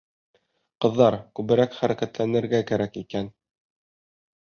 Ҡыҙҙар, күберәк хәрәкәтләнергә кәрәк икән!